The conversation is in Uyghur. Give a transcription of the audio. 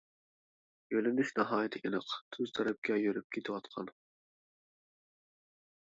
يۆلىنىشى ناھايىتى ئېنىق، تۇز تەرەپكە يۈرۈپ كېتىۋاتقان.